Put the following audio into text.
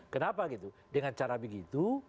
kenapa gitu dengan cara begitu